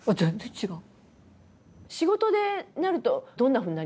違う！